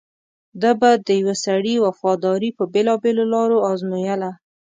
ده به د یوه سړي وفاداري په بېلابېلو لارو ازمویله.